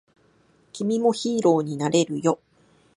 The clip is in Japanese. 君もヒーローになれるよ